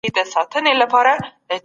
فساد د ټولني هر فرد ته زیان رسوي.